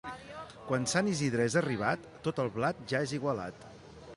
Quan Sant Isidre és arribat tot el blat ja és igualat.